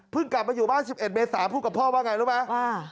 กลับมาอยู่บ้าน๑๑เมษาพูดกับพ่อว่าไงรู้ไหม